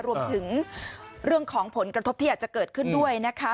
รวมถึงเรื่องของผลกระทบที่อาจจะเกิดขึ้นด้วยนะคะ